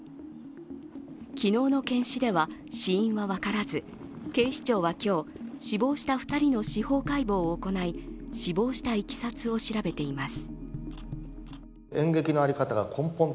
昨日の検視では死因は分からず警視庁は今日、死亡した２人の司法解剖を行い死亡したいきさつを調べています。